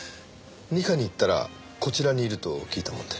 二課に行ったらこちらにいると聞いたもので。